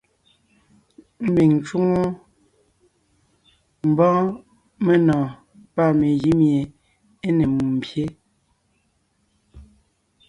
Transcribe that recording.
Ḿbiŋ ńcwoŋo ḿbɔ́ɔn menɔ̀ɔn pâ megǐ míe é ne ḿbyé.